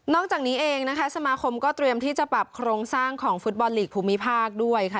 จากนี้เองนะคะสมาคมก็เตรียมที่จะปรับโครงสร้างของฟุตบอลลีกภูมิภาคด้วยค่ะ